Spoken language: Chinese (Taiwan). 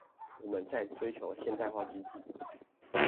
我們在追求現代化之際